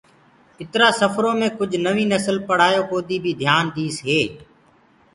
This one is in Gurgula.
اِترا سڦرو مي ڪُج نوينٚ نسل پڙهآيو ڪودي بي ڌِيآن ديٚس هي۔